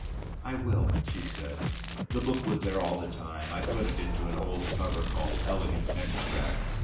"I will," she said. "The book was there all the time. I put it into an old cover called 'Elegant Extracts...'